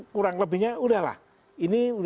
kurang lebihnya udahlah ini